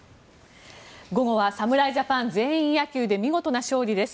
午後は侍ジャパン全員野球で見事な勝利です。